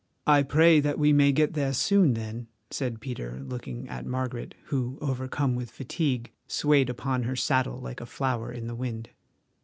"I pray that we may get there soon then," said Peter, looking at Margaret, who, overcome with fatigue, swayed upon her saddle like a flower in the wind.